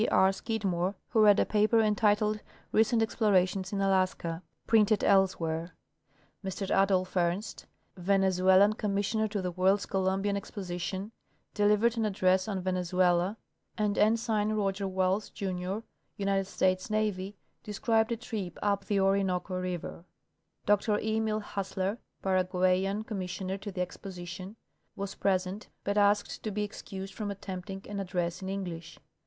R. Scidmore, who read a paper entitled " Recent Explorations in Alaska," printed elsewhere. Closing of the Conference. Ill Dr Adolph Ernst, Venezuelan Commissioner to the World's Columbian Exposition, delivered an address on " Venezuela," and Ensign Roger Welles, Junior, United States Navy, described a trip up the Orinoco river. Dr Eniil Hassler, Paraguayan Comraissoner to the Exposition, was present, but asked to be excused from attempting an ad dress in English.